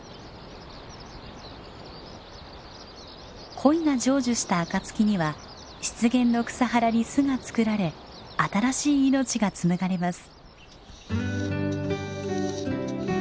恋が成就した暁には湿原の草原に巣が作られ新しい命が紡がれます。